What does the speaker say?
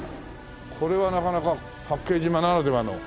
これはなかなか八景島ならではの。